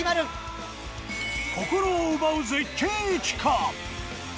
心を奪う絶景駅か？